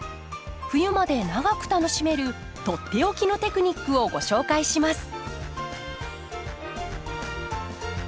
冬まで長く楽しめるとっておきのテクニックをご紹介します。